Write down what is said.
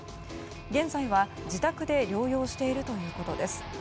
現在は、自宅で療養しているということです。